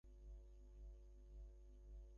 এর ফলে সূচক বেড়েছে।